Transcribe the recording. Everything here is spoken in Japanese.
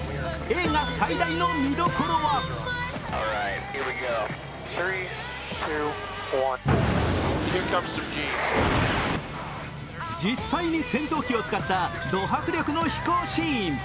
映画最大の見どころは実際に戦闘機を使ったド迫力の飛行シーン。